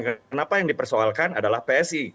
kenapa yang dipersoalkan adalah psi